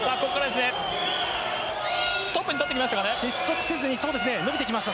トップに立ってきました。